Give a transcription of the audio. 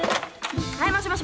はいもしもし